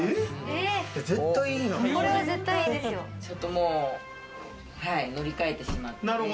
ちょっともう、乗り換えてしまって。